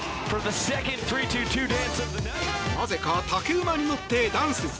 なぜか竹馬に乗ってダンス。